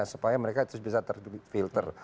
supaya mereka bisa terfilter